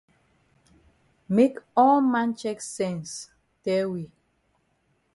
Make all man chek sense tell we.